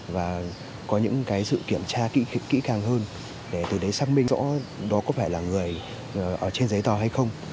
và có những cái sự kiểm tra kỹ càng hơn để từ đấy xác minh rõ đó có phải là người ở trên giấy tờ hay không